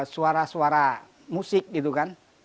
suara suara musik gitu kan